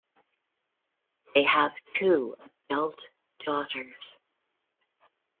They have two adult daughters.